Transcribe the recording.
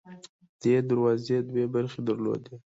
دې دروازې دوه برخې درلودې.